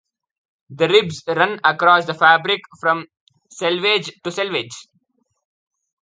The ribs run across the fabric from selvage to selvage.